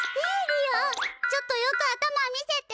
ちょっとよく頭見せて。